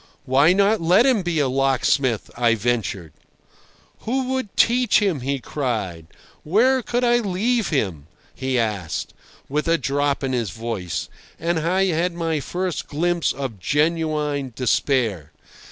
"Why not let him be a locksmith?" I ventured. "Who would teach him?" he cried. "Where could I leave him?" he asked, with a drop in his voice; and I had my first glimpse of genuine despair.